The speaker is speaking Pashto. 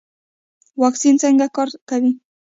واکسین څنګه کار کوي؟